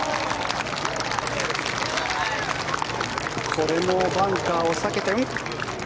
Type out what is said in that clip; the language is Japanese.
これもバンカーを避けて。